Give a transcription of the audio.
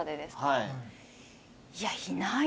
はい。